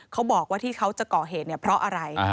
เขาบอกว่าที่เขาจะก่อเหตุเนี่ยเพราะอะไร